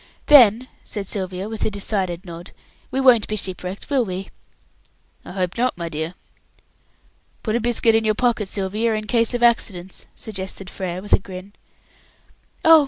"Then," said Sylvia, with a decided nod, "we won't be ship wrecked, will we?" "I hope not, my dear." "Put a biscuit in your pocket, Sylvia, in case of accidents," suggested Frere, with a grin. "Oh!